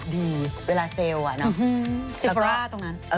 เวลาเซลล์เซลฟร่าตรงนั้น